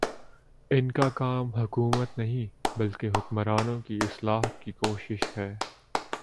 ان کا کام حکومت نہیں، بلکہ حکمرانوں کی اصلاح کی کوشش ہے